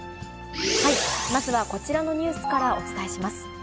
まずはこちらのニュースからお伝えします。